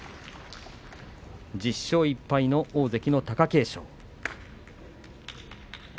１０勝１敗の大関の貴景勝。